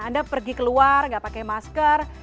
anda pergi keluar nggak pakai masker